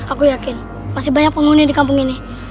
aku yakin masih banyak penghuni di kampung ini